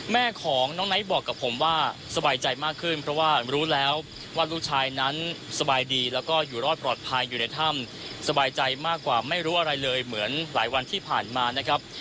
แม่ของน้องไนท์บอกกับผมว่าสบายใจมากขึ้นเพราะว่ารู้แล้วว่าลูกชายนั้นสบายดีแล้วก็อยู่รอดปลอดภัยอยู่ในถ้ำสบายใจมากกว่าไม่รู้อะไรเลยเหมือนหลายวันที่ผ่านมานะครับ